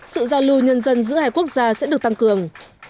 sự giao lưu nhân dân giữa hai quốc gia sẽ được tăng cường